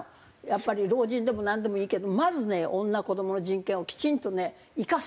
やっぱり老人でもなんでもいいけどまずね女子どもの人権をきちんとね生かす！